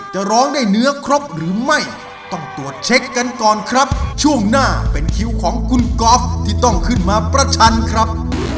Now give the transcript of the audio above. จะร้องได้เนื้อครบหรือไม่ต้องตรวจเช็คกันก่อนครับช่วงหน้าเป็นคิวของคุณก๊อฟที่ต้องขึ้นมาประชันครับ